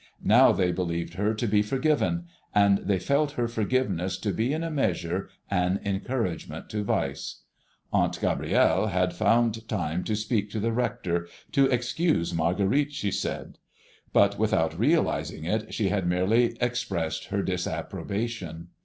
Now they believed her to be forgiven; and they felt her forgiveness to be in a measure an encouragement to vice. Aunt Gabrielle had found time to speak to the rector, to excuse Marguerite, she said; but without realizing it she had merely expressed her disapprobation.